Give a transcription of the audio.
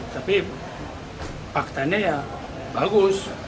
tapi faktanya ya bagus